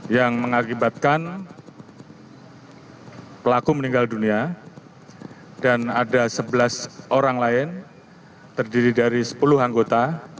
yang mengakibatkan pelaku meninggal dunia dan ada sebelas orang lain terdiri dari sepuluh anggota